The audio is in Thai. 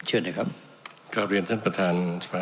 เชิญนะครับ